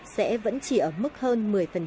sẽ vẫn chỉ ở mức hơn một mươi